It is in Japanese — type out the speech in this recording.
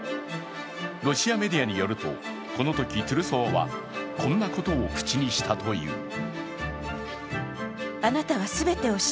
ロシアメディアによると、このときトゥルソワはこんなことを口にしたという。